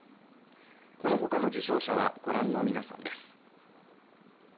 このほかの受章者は御覧の皆さんです。